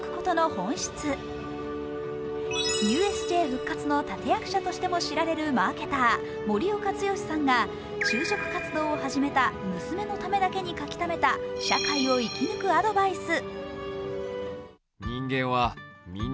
ＵＳＪ復活の立役者としても知られるマーケター、森岡毅さんが就職活動を始めた娘のためだけに書きためた社会を生き抜くアドバイス。